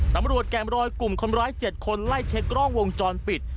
ตำรวจแก่มรอยกลุ่มคนร้าย๗คนไล่เช็คกล้องวงจรปิด